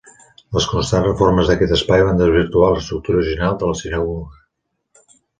Les constants reformes d'aquest espai van desvirtuar l'estructura original de la sinagoga.